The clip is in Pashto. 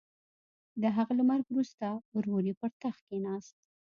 د هغه له مرګ وروسته ورور یې پر تخت کېناست.